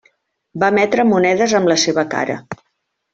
Va emetre monedes amb la seva cara.